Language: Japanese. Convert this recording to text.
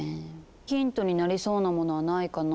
ヒントになりそうなものはないかな。